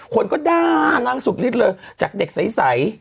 คนก็ด้านั่งสุดฤทธิ์เลยจากเด็กใส